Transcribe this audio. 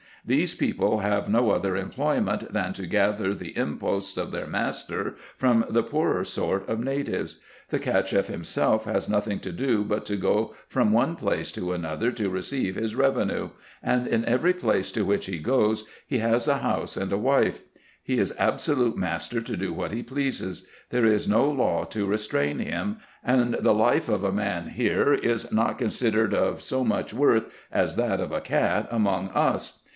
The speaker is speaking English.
These people have no other employment, than to gather the imposts of their master from the poorer sort of natives. The Cacheff himself has nothing to do but to go from one place to another to receive his revenue ; and in every place to which he goes he has a house and a wife. He is absolute master to do what he pleases : there is no law to restrain him ; and the life of a man here is not considered of so much worth as that of a cat among us.